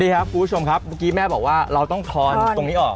นี่ครับคุณผู้ชมครับเมื่อกี้แม่บอกว่าเราต้องทอนตรงนี้ออก